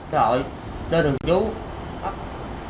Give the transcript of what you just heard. trời ơi đưa được chú